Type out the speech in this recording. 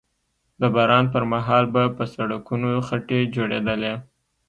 د باران پر مهال به په سړکونو خټې جوړېدلې